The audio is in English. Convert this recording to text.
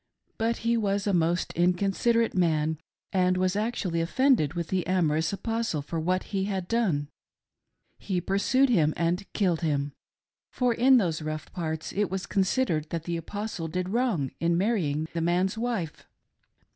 But he was a most inconsiderate man and was actually offended with the amorous Apostle for what he had done. He pursued him and killed him, for in those rough parts it was considered that the Apostle did wrong in marrying the man's wife.